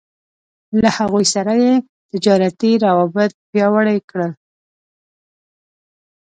له هغوی سره يې تجارتي روابط پياوړي کړل.